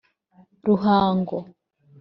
Ruhango